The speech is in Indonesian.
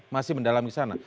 masih mendalami di sana